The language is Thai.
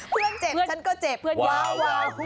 เพื่อนเจ็บฉันก็เจ็บเพื่อนว้าว